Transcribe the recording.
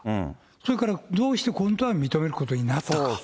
それからどうして今度は認めることになったか。